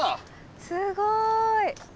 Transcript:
すごい。